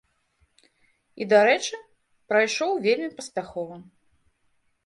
І, дарэчы, прайшоў вельмі паспяхова.